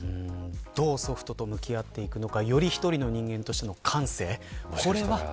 どうソフトと向き合っていくのかより一人の人間としての感性。